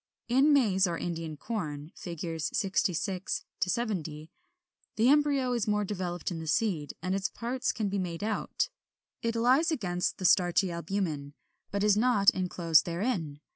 43. In Maize or Indian Corn (Fig. 66 70), the embryo is more developed in the seed, and its parts can be made out. It lies against the starchy albumen, but is not enclosed therein.